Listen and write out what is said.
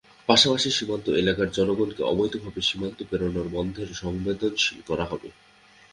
পাশাপাশি সীমান্ত এলাকার জনগণকে অবৈধভাবে সীমান্ত পেরোনো বন্ধের জন্য সংবেদনশীল করা হবে।